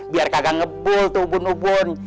biar kagak ngebul tuh ubun ubun